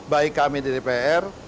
baik kami di dpr